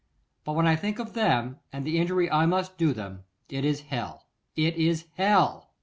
But when I think of them, and the injury I must do them, it is hell, it is hell.